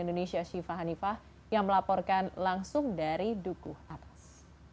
indonesia siva hanifah yang melaporkan langsung dari duku atas